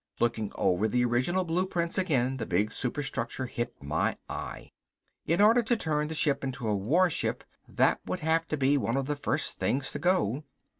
Looking over the original blueprints again, the big superstructure hit my eye. In order to turn the ship into a warship that would have to be one of the first things to go.